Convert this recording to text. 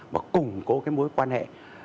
mà củng cố cái mối quan hệ